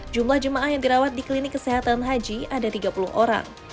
jumlah jemaah yang dirawat di klinik kesehatan haji ada tiga puluh orang